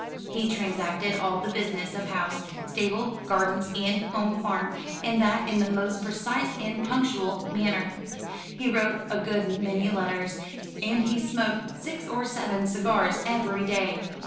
He transacted all the business of house, stable, gardens, and home farm, and that in the most precise and punctual manner. He wrote a good many letters, and he smoked six or seven cigars every day.